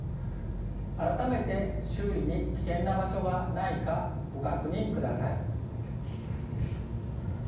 改めて周囲に危険な場所がないかご確認ください。